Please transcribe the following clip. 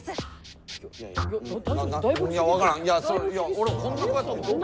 俺こんな子やとは。